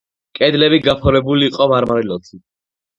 კედლები გაფორმებული იყო მარმარილოთი.